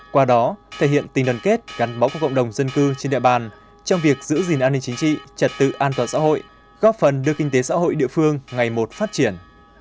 qua đó thể hiện tình đoàn kết gắn bó của cộng đồng dân cư trên địa bàn trong việc giữ gìn an ninh chính trị trật tự an toàn xã hội góp phần đưa kinh tế xã hội địa phương ngày một phát triển